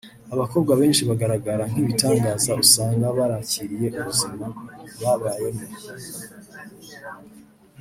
Abakobwa benshi bagaragara nk’ibitangaza usanga barakiriye ubuzima babayemo